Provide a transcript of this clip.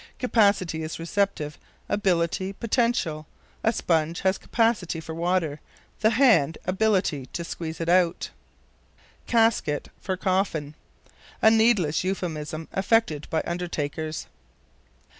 Capacity is receptive; ability, potential. A sponge has capacity for water; the hand, ability to squeeze it out. Casket for Coffin. A needless euphemism affected by undertakers.